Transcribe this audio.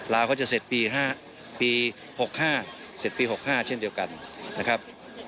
ลาวก็จะเสร็จปี๖๕เสร็จปี๖๕เช่นเดียวกันนะครับ